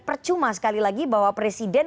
percuma sekali lagi bahwa presiden